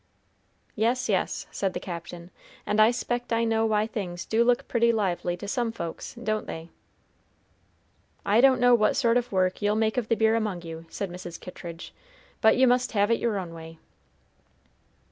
"Yes, yes," said the Captain, "and I 'spect I know why things do look pretty lively to some folks, don't they?" "I don't know what sort of work you'll make of the beer among you," said Mrs. Kittridge; "but you must have it your own way."